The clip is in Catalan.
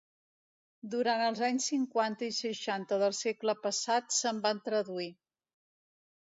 Durant els anys cinquanta i seixanta del segle passat se'n van traduir